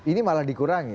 ini malah dikurangi